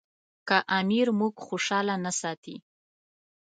که امیر موږ خوشاله نه ساتي.